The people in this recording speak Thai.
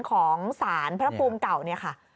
ของสารพระภูมิเก่าเนี่ยค่ะ